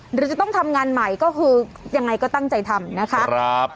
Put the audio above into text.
หรือจะต้องทำงานใหม่ก็คือยังไงก็ตั้งใจทำนะคะ